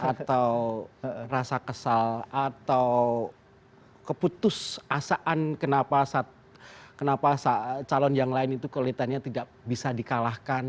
atau rasa kesal atau keputus asaan kenapa calon yang lain itu kulitannya tidak bisa dikalahkan